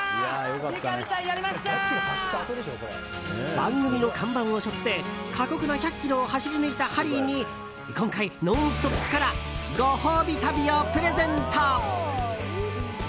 番組の看板を背負って過酷な１００ｋｍを走り抜いたハリーに今回「ノンストップ！」からご褒美旅をプレゼント！